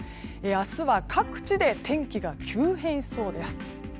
明日は各地で天気が急変しそうです。